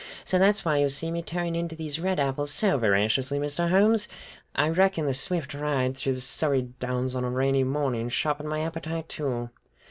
So that's why you see me tearing into these red apples so voraciously, Mr. Holmes! I reckon the swift ride through the Surrey downs on a rainy morning sharpened my appetite, too.